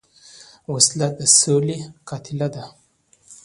وسله د سولې قاتله ده